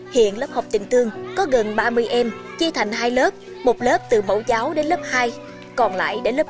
hiện lớp học tình tương có gần ba mươi em chia thành hai lớp một lớp từ mẫu giáo đến lớp hai còn lại đến lớp bốn